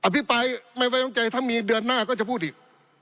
พิปรายไม่ไว้วางใจถ้ามีเดือนหน้าก็จะพูดอีก